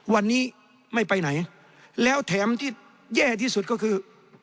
วันนี้ไม่ไปไหนแล้วแถมที่แย่ที่สุดก็คือ